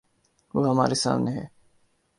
وہ ہمارے سامنے ہے۔